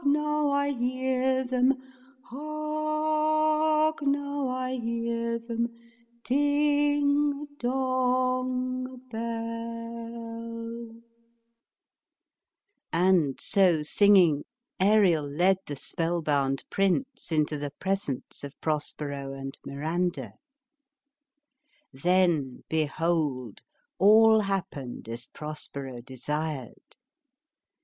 Hark! now I hear them, — ding dong bell!" And so singing, Ariel led the spell bound prince into the presence of Prospero and Miranda. Then, behold ! all happened as Prospero desired.